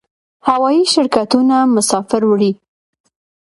هوایی شرکتونه مسافر وړي